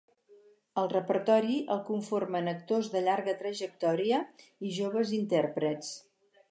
El repertori, el conformen actors de llarga trajectòria i joves intèrprets.